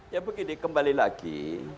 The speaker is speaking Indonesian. ya begini kembali lagi